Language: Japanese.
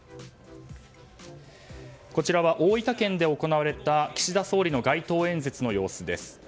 こちらは大分県で行われた岸田総理の街頭演説の様子です。